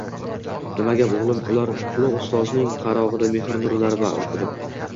— Nima gap, o‘g‘lim? — Ulug‘ Ustozning qarog‘ida mehr nurlari balqidi.